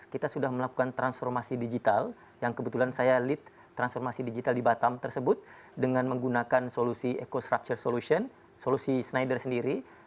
kita sudah melakukan transformasi digital yang kebetulan saya lead transformasi digital di batam tersebut dengan menggunakan solusi eco structure solution solusi snider sendiri